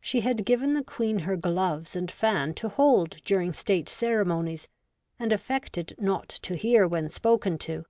She had given the Queen her gloves and fan to hold during State ceremonies, and affected not to hear when spoken to.